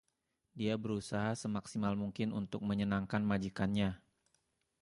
Dia berusaha semaksimal mungkin untuk menyenangkan majikannya.